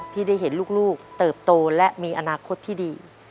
ที่ได้เห็นลูกเติบโตและมีอนาคตที่ดี